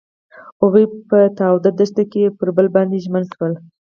هغوی په تاوده دښته کې پر بل باندې ژمن شول.